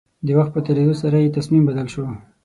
د وخت په تېرېدو سره يې تصميم بدل شو.